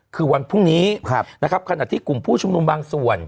คือวันพรุ่งนี้นะครับขณะที่กลุ่มผู้ชุมนุมบางส่วน